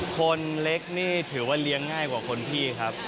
คนเล็กนี่ถือว่าเลี้ยงง่ายกว่าคนพี่ครับ